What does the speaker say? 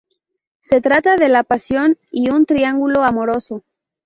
Se trata de la pasión y un triángulo amoroso.